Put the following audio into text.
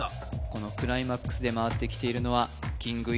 このクライマックスで回ってきているのはキング